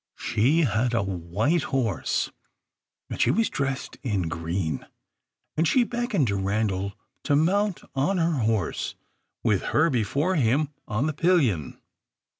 She had a white horse, and she was dressed in green, and she beckoned to Randal to mount on her horse, with her before him on the pillion.